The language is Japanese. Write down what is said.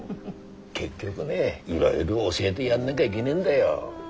結局ねいろいろ教えでやんなぎゃいげねえんだよ。